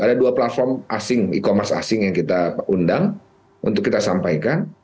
ada dua platform asing e commerce asing yang kita undang untuk kita sampaikan